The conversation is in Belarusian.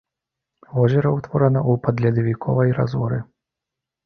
Возера ўтворана ў падледавіковай разоры.